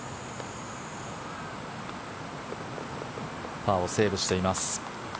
パーをセーブしています。